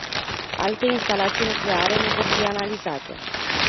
Alte instalații nucleare nu vor fi analizate.